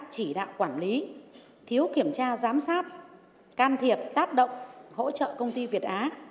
chỉ đạo quản lý thiếu kiểm tra giám sát can thiệp tác động hỗ trợ công ty việt á